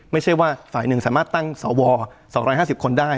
ไม่ใช่ว่าฝ่ายหนึ่งสามารถตั้งสว๒๕๐คนได้